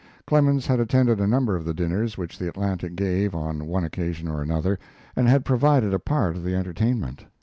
Clemens had attended a number of the dinners which the Atlantic gave on one occasion or another, and had provided a part of the entertainment.